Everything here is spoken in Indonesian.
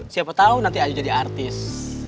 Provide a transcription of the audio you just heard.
siapa tahu nanti ayo jadi artis